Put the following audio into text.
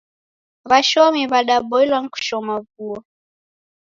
W'ashomi w'adaboilwa ni kushoma vuo.